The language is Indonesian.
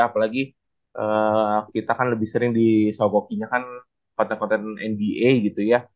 apalagi kita kan lebih sering disogokinya kan konten konten nba gitu ya